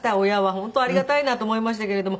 本当ありがたいなと思いましたけれども。